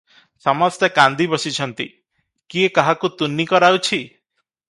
ସମସ୍ତେ କାନ୍ଦି ବସିଛନ୍ତି; କିଏ କାହାକୁ ତୁନି କରାଉଛି?